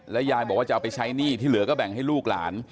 ยายบอกว่าจะเอาไปใช้หนี้ที่เหลือก็แบ่งให้ลูกหลาน